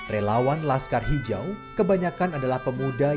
relawan laskar hijau kebanyakan adalah pemuda yang berasal dari desa